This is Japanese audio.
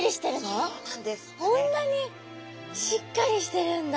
こんなにしっかりしてるんだ。